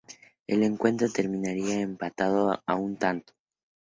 El encuentro terminaría empatado a un tanto.